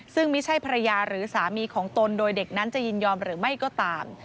ซึ่งไม่ใช่ภรรยาหรือสามีของตนโดยเด็กนั้นจะยินยอมหรือไม่ก็ตาม